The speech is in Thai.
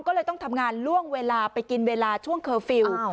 ก็เลยต้องทำงานล่วงเวลาไปกินเวลาช่วงเคอร์ฟิลล์